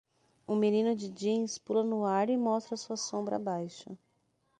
Um menino de jeans pula no ar e mostra sua sombra abaixo.